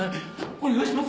お願いします。